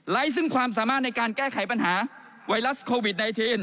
ซึ่งความสามารถในการแก้ไขปัญหาไวรัสโควิด๑๙